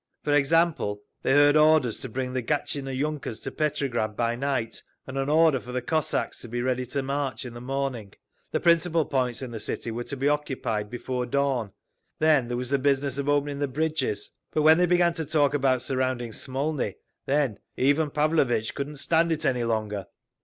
For example, they heard orders to bring the Gatchina yunkers to Petrograd by night, and an order for the Cossacks to be ready to march in the morning…. The principal points in the city were to be occupied before dawn. Then there was the business of opening the bridges. But when they began to talk about surrounding Smolny, then Ivan Pavlovitch couldn't stand it any longer.